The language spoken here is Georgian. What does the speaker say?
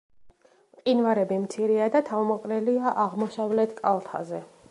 მყინვარები მცირეა და თავმოყრილია აღმოსავლეთ კალთაზე.